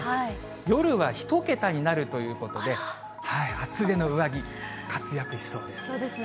夜は１桁になるということで、厚手の上着、そうですね。